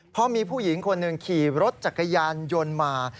เพราะมีผู้หญิงคนหนึ่งขี่รถจักรยานยนต์มา